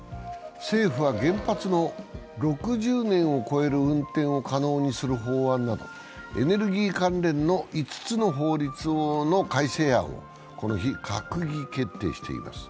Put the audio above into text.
政府は原発の、６０年を超える運転を可能にする法案など、エネルギー関連の５つの法律の改正案をこの日、閣議決定しています。